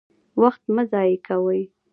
وخت مه ضایع کوئ